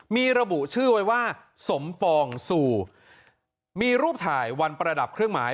มีระบุชื่อไว้ว่าสมปองซูมีรูปถ่ายวันประดับเครื่องหมาย